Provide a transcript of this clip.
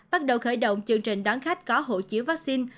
bắt đầu khởi động chương trình đón khách có hộ chiếu vaccine